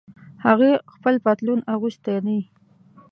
هغه خپل پتلون اغوستۍ دي